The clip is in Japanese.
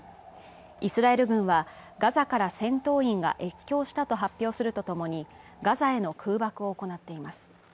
イスラエル軍は、ガザから戦闘員が越境したと発表するとともにガザへの空爆を行っています。